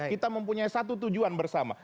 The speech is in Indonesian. kita mempunyai satu tujuan bersama